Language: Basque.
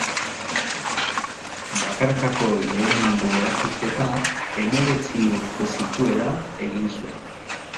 Bakarkako lehenengo erakusketa hemeretzi urte zituela egin zuen.